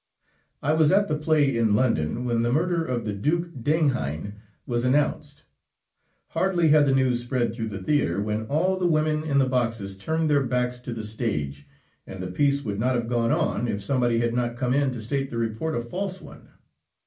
I was at the play in London when the murder of the Duke d'Enghien was announced. Hardly had the news spread through the theatre, when all the women in the boxes turned their backs to the stage, and the piece would not have gone on if somebody had not come in to state the report a false one.